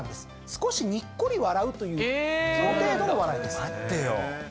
少しにっこり笑うというその程度の笑いです。